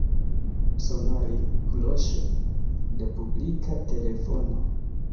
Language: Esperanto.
Sonoril-kloŝo de publika telefono.